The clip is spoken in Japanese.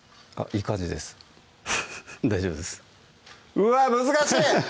うわっ難しい！